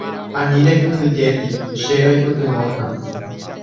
Ani rekyhyjéti, che roipytyvõta.